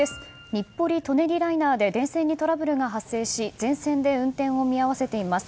日暮里・舎人ライナーで電線にトラブルが発生し全線で運転を見合わせています。